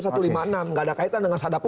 nggak ada kaitan dengan seadap penyadapan